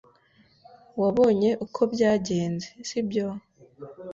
Wabonye uko byagenze, sibyo?